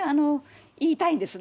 言いたいんですね。